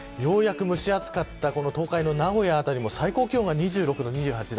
ようやく蒸し暑かった東海の名古屋辺りも最高気温が２６度、２８度。